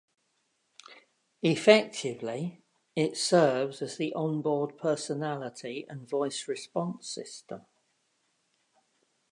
Effectively, it serves as the on-board personality and voice response system.